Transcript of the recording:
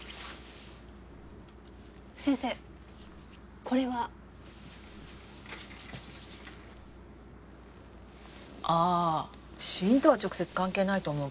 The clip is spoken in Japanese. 先生これは？ああ死因とは直接関係ないと思うけど。